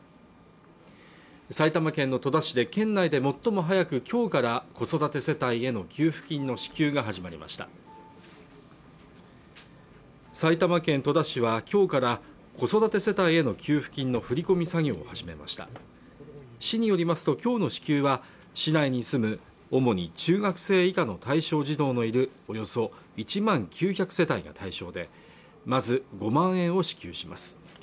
埼玉県の戸田市で県内で最も早くきょうから子育て世帯への給付金の支給が始まりました埼玉県戸田市はきょうから子育て世帯への給付金の振込作業を始めました市によりますときょうの支給は市内に住む主に中学生以下の対象児童のいるおよそ１万９００世帯が対象でまず５万円を支給します